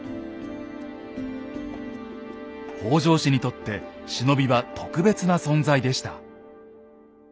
北条氏にとって忍びは特別な存在でした。